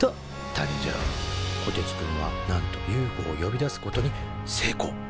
こてつくんはなんとＵＦＯを呼び出すことに成功！